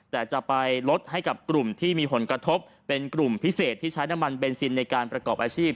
แต่จะไปลดให้กับกลุ่มที่มีผลกระทบเป็นกลุ่มพิเศษที่ใช้น้ำมันเบนซินในการประกอบอาชีพ